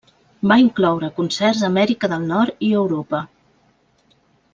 Va incloure concerts a Amèrica del Nord i Europa.